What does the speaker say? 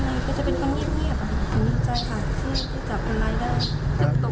เพราะว่าพ่อมีสองอารมณ์ความรู้สึกดีใจที่เจอพ่อแล้ว